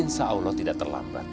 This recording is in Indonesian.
insya allah tidak terlambat